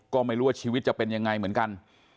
ก็ไม่รู้ว่าชีวิตจะเป็นยังไงเหมือนกัน